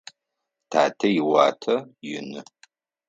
Татэ иуатэ ины.